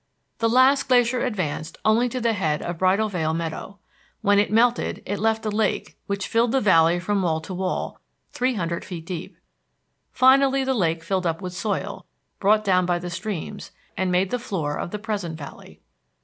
The last glacier advanced only to the head of Bridal Veil Meadow. When it melted it left a lake which filled the Valley from wall to wall, three hundred feet deep. Finally the lake filled up with soil, brought down by the streams, and made the floor of the present valley.